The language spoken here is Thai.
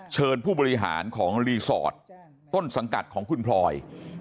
เชิญผู้บริหารของรีสอร์ทต้นสังกัดของคุณพลอย